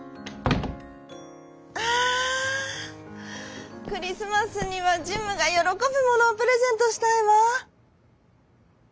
「あクリスマスにはジムがよろこぶものをプレゼントしたいわ！」。